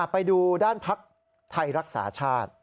ไปดูด้านภักดิ์ไทยรักษาชาติ